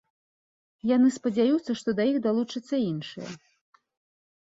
Яны спадзяюцца, што да іх далучацца іншыя.